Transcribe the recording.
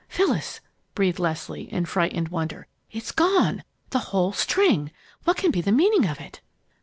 "Phyllis!" breathed Leslie, in frightened wonder. "It's gone the whole string! What can be the meaning of it?"